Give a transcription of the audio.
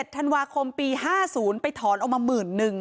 ๑๗ธนวาคมปี๕๐ไปถอนออกมา๑๑๐๐๐บาท